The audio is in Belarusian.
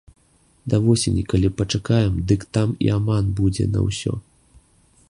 Да восені, калі пачакаем, дык там і аман будзе на ўсё.